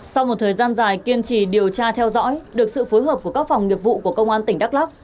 sau một thời gian dài kiên trì điều tra theo dõi được sự phối hợp của các phòng nghiệp vụ của công an tỉnh đắk lắc